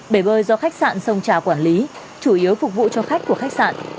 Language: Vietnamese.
bể bơi do khách sạn sông trà quản lý chủ yếu phục vụ cho khách của khách sạn